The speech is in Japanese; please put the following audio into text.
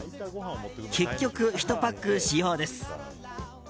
結局１パック使用です。